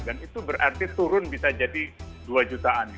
dan itu berarti turun bisa jadi dua jutaan